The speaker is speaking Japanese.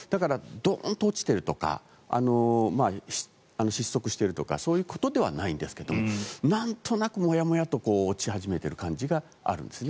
だから、ドンと落ちているとか失速しているとかそういうことではないんですがなんとなくもやもやと落ち始めている感じがあるんですね。